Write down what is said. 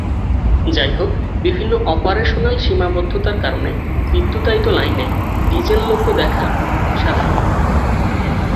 যাইহোক, বিভিন্ন অপারেশনাল সীমাবদ্ধতার কারণে বিদ্যুতায়িত লাইনে ডিজেল লোকো দেখা সাধারণ।